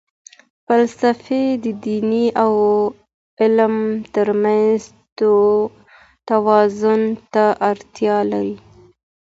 فلسفې د دین او علم ترمنځ توازن ته اړتیا لري.